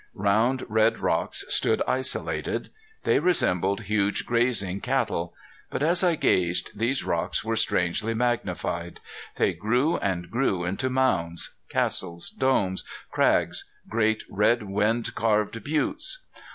Round red rocks stood isolated. They resembled huge grazing cattle. But as I gazed these rocks were strangely magnified. They grew and grew into mounds, castles, domes, crags, great red wind carved buttes.